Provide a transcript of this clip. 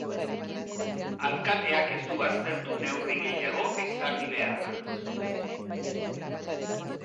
Alkateak ez du baztertu neurri gehiago ezarri beharra.